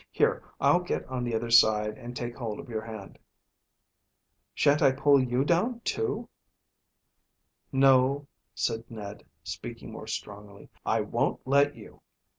"Here, I'll get on the other side, and take hold of your hand." "Shan't I pull you down too?" "No," said Ned, speaking more strongly; "I won't let you."